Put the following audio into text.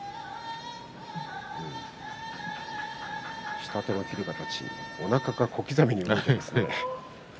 下手を切る形おなかが小刻みに動いていますね。